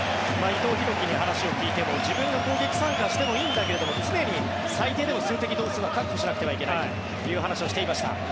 伊藤洋輝に話を聞いても自分が攻撃参加してもいいんだけれども常に最低でも数的同数は確保しなきゃいけないという話はしていました。